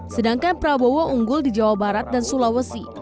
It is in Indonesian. sedangkan prabowo unggul di jawa barat dan sulawesi